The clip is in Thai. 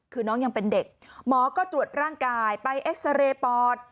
คือน้องยังเป็นเด็กหมอก็ตรวจร่างกายไปเอ็กซาเรย์ปอด